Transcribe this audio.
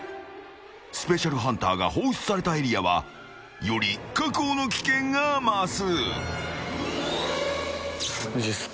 スペシャルハンターが放出されたエリアはより確保の危険が増す。